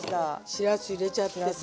しらす入れちゃってさ。